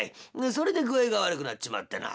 それで具合が悪くなっちまってな」。